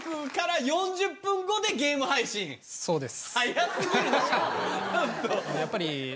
そうです。